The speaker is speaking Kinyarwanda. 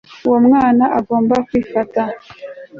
Uwo mwana agomba kwifata